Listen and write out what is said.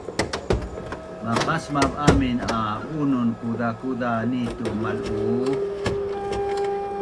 maqasmav amin a bunun kuzakuza nitu mal’uu